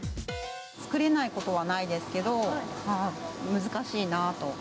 作れないことはないですけど、難しいなぁと。